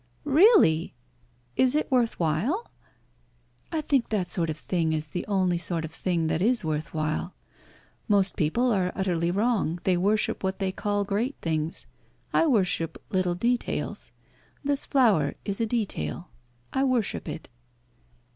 "Really! Is it worth while?" "I think that sort of thing is the only sort of thing that is worth while. Most people are utterly wrong, they worship what they call great things. I worship little details. This flower is a detail. I worship it."